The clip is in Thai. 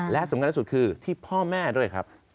และสำคัญที่สุดคือที่พ่อแม่ด้วยครับ